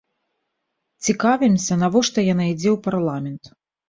Цікавімся, навошта яна ідзе ў парламент.